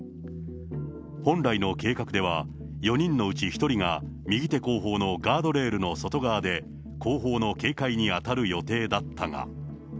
本来の計画では、４人のうち１人が右手後方のガードレールの外側で、後方の警戒に当たる予定だったが。